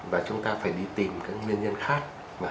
và chúng ta phải đi tìm các nguyên nhân khác